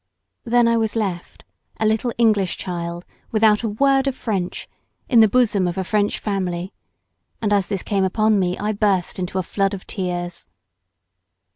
Then I was left, a little English child without a word of French in the bosom of a French family, and as this came upon me I burst into a flood of tears.